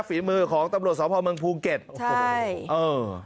ฝีมือของตำรวจสพเมืองภูเก็ตโอ้โหเออ